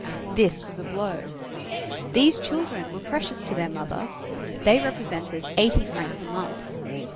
This was a blow. These children were precious to their mother; they represented eighty francs a month.